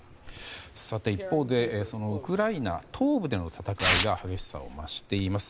一方でウクライナ東部での戦いが激しさを増しています。